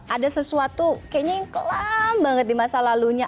ada sesuatu kayaknya yang kelam banget di masa lalunya